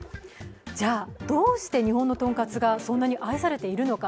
じゃあどうして日本のとんかつがそんなに愛されているのか。